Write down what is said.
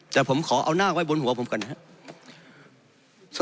แต่ผมขอเอาหน้าไว้บนหัวผมก่อนนะครับ